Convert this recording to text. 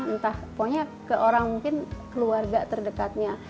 entah pokoknya ke orang mungkin keluarga terdekatnya